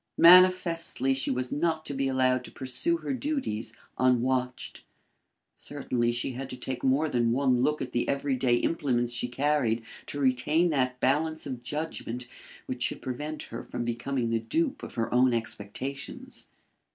Manifestly she was not to be allowed to pursue her duties unwatched. Certainly she had to take more than one look at the every day implements she carried to retain that balance of judgment which should prevent her from becoming the dupe of her own expectations.